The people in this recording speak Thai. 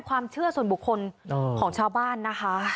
ความเชื่อส่วนบุคคลของชาวบ้านนะคะ